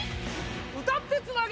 歌ってつなげ！